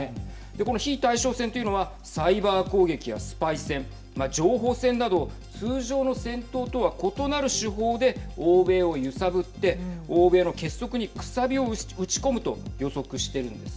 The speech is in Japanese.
この非対称戦というのはサイバー攻撃やスパイ戦情報戦など通常の戦闘とは異なる手法で欧米を揺さぶって欧米の結束にくさびを打ち込むと予測しているんです。